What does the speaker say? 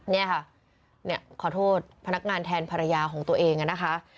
นี่ค่ะขอโทษพนักงานแทนภรรยาของตัวเองนะคะ